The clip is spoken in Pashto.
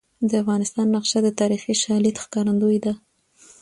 د افغانستان نقشه د تاریخي شالید ښکارندوی ده.